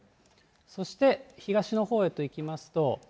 そして、東のほうへと行きますと。